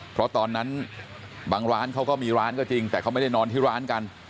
เพราะตอนนั้นบางร้านเขาก็มีร้านก็จริงแต่เขาไม่ได้นอนที่ร้านกัน